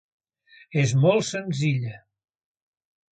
És molt senzilla.